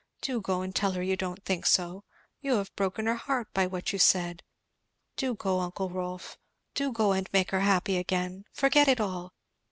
Do go and tell her you don't think so, you have broken her heart by what you said; do go, uncle Rolf! do go and make her happy again! Forget it all!